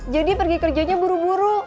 jadi pergi kerjanya buru buru